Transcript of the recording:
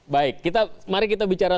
baik mari kita bicara